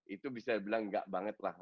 itu bisa dibilang enggak banget lah